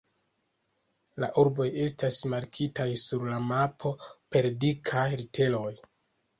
La urboj estas markitaj sur la mapo per dikaj literoj.